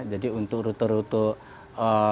jadi untuk rute rute